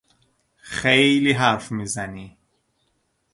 خیلی حرف میزنی!